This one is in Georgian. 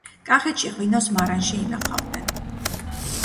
კახეთში ღვინოს მარანში ინახავდნენ